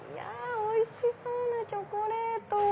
おいしそうなチョコレート！